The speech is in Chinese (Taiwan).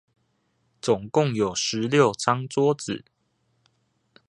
總共有十六張桌子